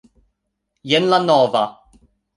Jen la nova...